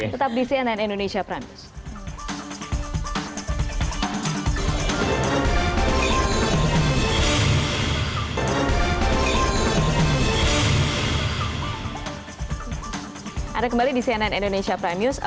tetap di cnn indonesia prime news